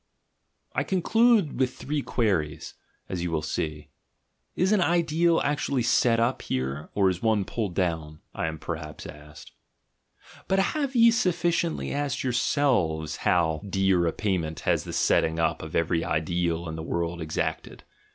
I conclude with three queries, as you will sec. "Is an "GUILT" AND "BAD CONSCIENCE" 91 ideal actually set up here, or is one pulled down?" I am perhaps asked. ... But have ye sufficiently asked your selves how dear a payment has the setting up of every ideal in the world exacted?